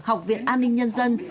học viện an ninh nhân dân